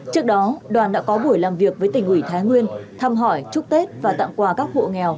trước đó đoàn đã có buổi làm việc với tỉnh ủy thái nguyên thăm hỏi chúc tết và tặng quà các hộ nghèo